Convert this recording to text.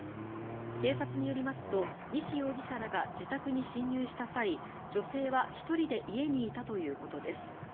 警察によりますと西容疑者らが自宅に侵入した際女性は１人で家にいたということです。